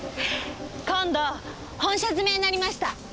今度本社詰めになりました。